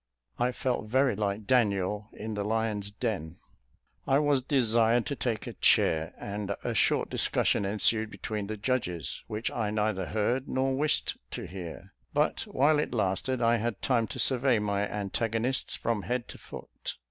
I felt very like Daniel in the lions' den. I was desired to take a chair, and a short discussion ensued between the judges, which I neither heard nor wished to hear: but while it lasted, I had time to survey my antagonists from head to foot.